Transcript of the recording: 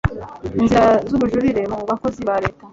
inzira z ubujurire mu bakozi ba leta